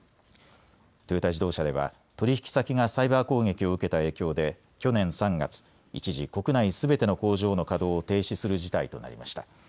トヨタ自動車では取引先がサイバー攻撃を受けた影響で去年３月、一時国内すべての工場の稼働を停止する事態となりました。